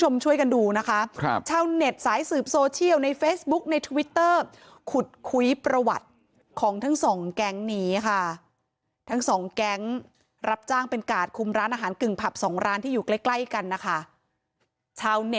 มีแค่มือเปล่าแล้วก็หัวใจที่จะให้ทุกคนถูกกัน